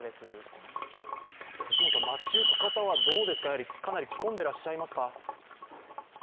街ゆく方はどうですか、かなり着込んでいらっしゃいますか。